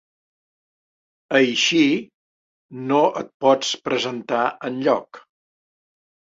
Així, no et pots presentar enlloc.